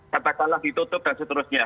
katakanlah ditutup dan seterusnya